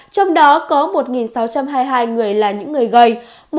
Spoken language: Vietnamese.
trong đó có một sáu trăm hai mươi hai người là những người gầy